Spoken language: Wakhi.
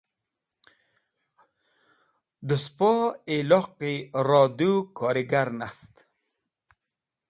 Dẽ spo iloqayi radũw korigar nast.